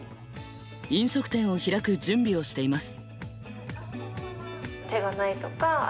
飲食店を開く準備をしています。